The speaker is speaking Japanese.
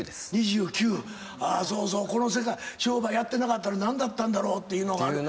この世界商売やってなかったら何だったんだろっていうのがある。